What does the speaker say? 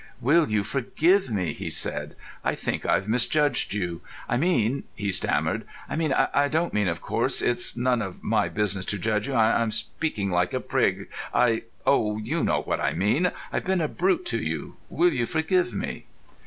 "Will you forgive me?" he said. "I think I've misjudged you. I mean," he stammered—"I mean, I don't mean—of course, it's none of my business to judge you—I'm speaking like a prig, I—oh, you know what I mean. I've been a brute to you. Will you forgive me?"